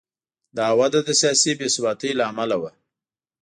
دا وده د سیاسي بې ثباتۍ له امله و.